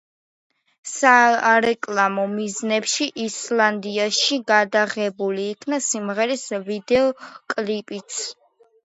სარეკლამო მიზნებში ისლანდიაში გადაღებული იქნა სიმღერის ვიდეოკლიპიც.